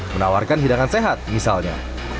menawarkan hidangan sehat misalnya